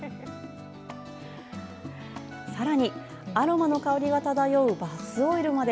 さらに、アロマの香りが漂うバスオイルまで。